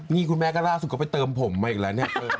นี่คุณแม่ก็ล่าทรุดกว่าไปเติมผมมาอีกแล้ว